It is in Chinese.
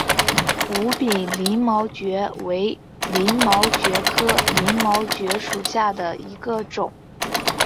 无柄鳞毛蕨为鳞毛蕨科鳞毛蕨属下的一个种。